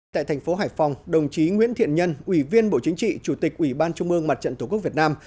tại thành phố hải phòng đồng chí nguyễn thiện nhân ủy viên bộ chính trị chủ tịch ủy ban trung ương mặt trận tổ quốc việt nam